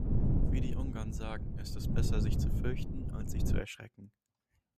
Wie die Ungarn sagen, ist es besser, sich zu fürchten, als sich zu erschrecken.